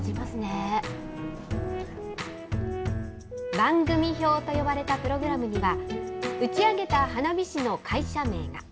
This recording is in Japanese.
番組表と呼ばれたプログラムには、打ち上げた花火師の会社名が。